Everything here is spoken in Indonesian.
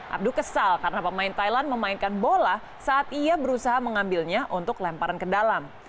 abdu kesal karena pemain thailand memainkan bola saat ia berusaha mengambilnya untuk lemparan ke dalam